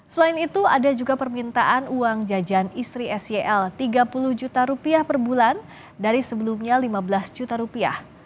selain itu ada juga permintaan uang jajan istri sel rp tiga puluh juta rupiah per bulan dari sebelumnya lima belas juta rupiah